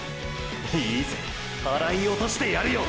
いいぜはらいおとしてやるよ！！